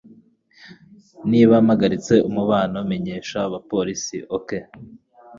Niba mpagaritse umubano, menyesha abapolisi, OK?